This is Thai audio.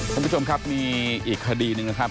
คุณผู้ชมครับมีอีกคดีหนึ่งนะครับ